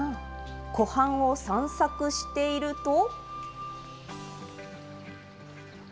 湖畔を散策していると。